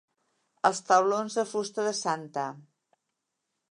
Els taulons de fusta de Sta.